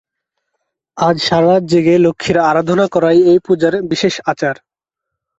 আর সারারাত জেগে লক্ষ্মীর আরাধনা করাই এই পূজার বিশেষ আচার।